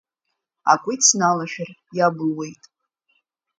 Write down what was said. Акәиц налашәар иабылуеит.